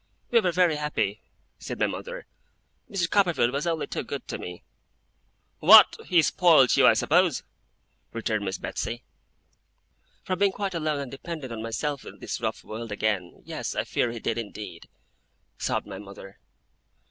'We were very happy,' said my mother. 'Mr. Copperfield was only too good to me.' 'What, he spoilt you, I suppose?' returned Miss Betsey. 'For being quite alone and dependent on myself in this rough world again, yes, I fear he did indeed,' sobbed my mother.